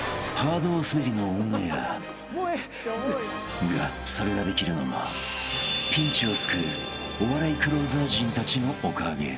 ［がそれができるのもピンチを救うお笑いクローザー陣たちのおかげ］